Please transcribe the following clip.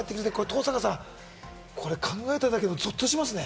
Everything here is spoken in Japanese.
登坂さん、これ、考えただけでゾッとしますね。